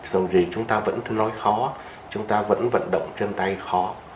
rồi chúng ta vẫn cứ nói khó chúng ta vẫn vận động chân tay khó